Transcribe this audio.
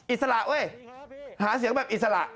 อิสระเว้ยหาเสียงแบบอิสระ